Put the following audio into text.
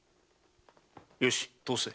よし通せ。